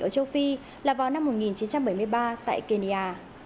ở châu phi là vào năm một nghìn chín trăm bảy mươi ba tại kenya